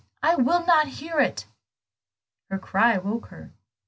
I will not hear you!" Her own cry woke her.